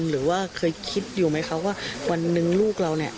แล้วออกไปถึงอะไร